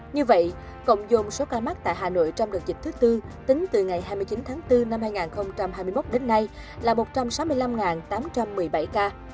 như vậy cộng dồn số ca mắc tại hà nội trong đợt dịch thứ tư tính từ ngày hai mươi chín tháng bốn năm hai nghìn hai mươi một đến nay là một trăm sáu mươi năm tám trăm một mươi bảy ca